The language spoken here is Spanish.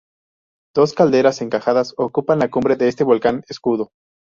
Dos calderas encajadas ocupan la cumbre de este volcán escudo.